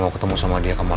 iya pakai sepatu